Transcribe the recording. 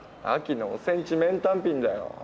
秋のおセンチメンタンピンだよ。